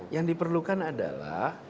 yang diperlukan adalah